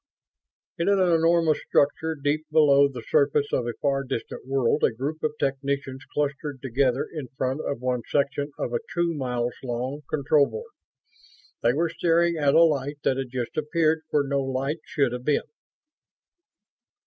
In an enormous structure deep below the surface of a far distant world a group of technicians clustered together in front of one section of a two miles long control board. They were staring at a light that had just appeared where no light should have been.